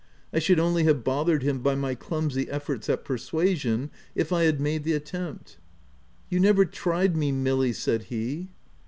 I should only have bothered him by my clumsy efforts at persuasion, if I had made the attempt." " You never tried me, Milly," said he.